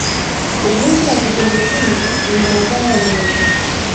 Ugonjwa wa kipindupindu una madhara mengi.